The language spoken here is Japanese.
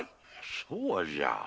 そうじゃ。